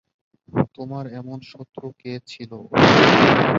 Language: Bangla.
তোমার এমন শত্রু কে ছিল!